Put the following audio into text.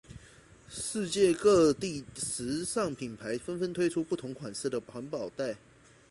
世界各地时尚品牌纷纷推出不同款式环保袋。